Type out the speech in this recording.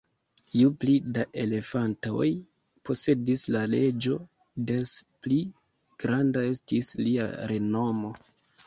Ju pli da elefantoj posedis la reĝo, des pli granda estis lia renomo.